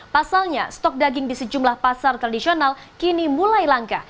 pasalnya stok daging di sejumlah pasar tradisional kini mulai langka